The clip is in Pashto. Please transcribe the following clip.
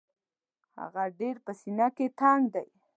هغه ډېر په سینه کې تنګ دی.